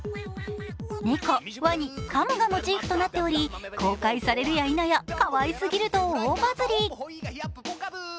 猫、ワニ、カモがモチーフとなっており、公開されるやいなや、かわいすぎると大バズり。